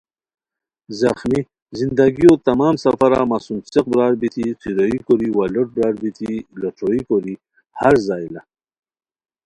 ذخمی ؔ زندگیو تمام سفرا مہ سُم څیق برار بیتی څیروئیی کوری وا لوٹ برار بیتی لوٹھوروئیی کوری ہر زائیلہ